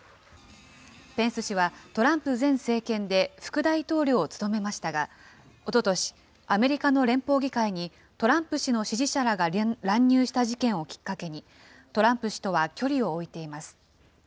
ペンス氏は、トランプ前政権で副大統領を務めましたが、おととし、アメリカの連邦議会にトランプ氏の支持者らが乱入した事件をきっかけに、トランプ氏とは距離を置いています。